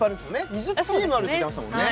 ２０チームあるって言ってましたもんね。